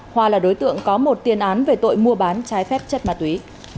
hoa là đối tượng có một tiền án về tội mua bán trái phép chất ma túy